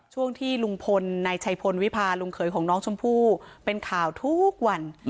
ช่วงที่ลุงพลในชัยพลวิพาลุงเขยของน้องชมพู่เป็นข่าวทุกวัน